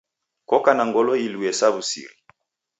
Koka na ngolo ilue sa wu'siri